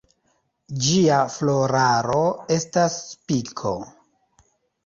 Ĝia floraro estas spiko.